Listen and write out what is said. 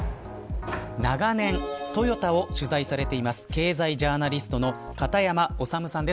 長年、トヨタを取材されています経済ジャーナリストの片山修さんです。